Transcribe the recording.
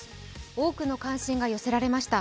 多くの関心が寄せられました。